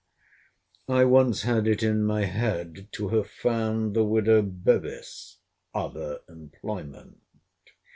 I once had it in my head to have found the widow Bevis other employment.